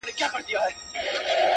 ستا د ميني پـــه كـــورگـــي كـــــي ـ